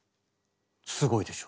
すごいでしょ。